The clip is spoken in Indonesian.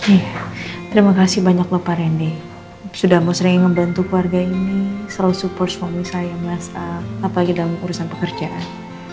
eh terima kasih banyak loh pak rendy sudah mau sering ngebantu keluarga ini selalu support suami saya mas apalagi dalam urusan pekerjaan